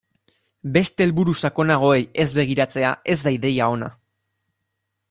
Beste helburu sakonagoei ez begiratzea ez da ideia ona.